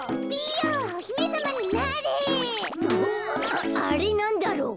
ああれなんだろう。